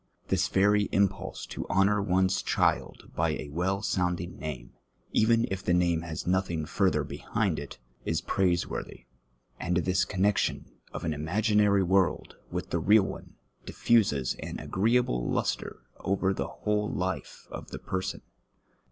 This verj' impulse to honour one's child by a well soundinj; name — even if the name has nothing further behind it — is praiseworthy, and this cormexion of an imaginary world with the real one diffuses an au^eeable lustre over the Avhole life of the person.